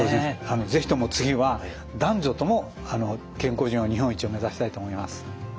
是非とも次は男女とも健康寿命日本一を目指したいと思います。